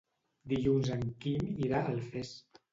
Dilluns en Quim irà a Alfés.